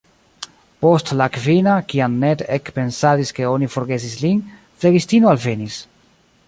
Post la kvina, kiam Ned ekpensadis ke oni forgesis lin, flegistino alvenis.